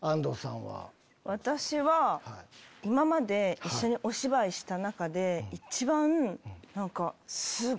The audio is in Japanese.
私は今まで一緒にお芝居した中で。